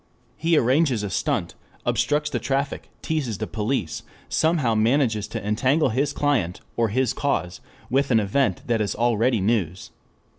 He arranges a stunt: obstructs the traffic, teases the police, somehow manages to entangle his client or his cause with an event that is already news.